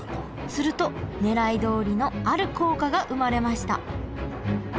するとねらいどおりのある効果が生まれました。